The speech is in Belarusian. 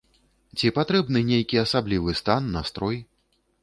Ці патрэбны нейкі асаблівы стан, настрой?